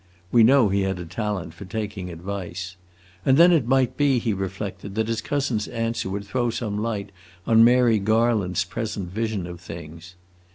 We know he had a talent for taking advice. And then it might be, he reflected, that his cousin's answer would throw some light on Mary Garland's present vision of things.